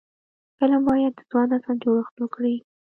فلم باید د ځوان نسل جوړښت وکړي